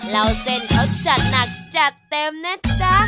เล่าเส้นเขาจัดหนักจัดเต็มนะจ๊ะ